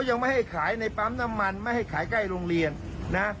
ยังไม่ให้ขายในปั๊มน้ำมันไม่ให้ขายใกล้โรงเรียนนะ